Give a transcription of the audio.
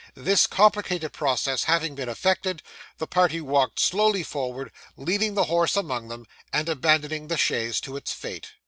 This complicated process having been effected, the party walked slowly forward, leading the horse among them, and abandoning the chaise to its fate.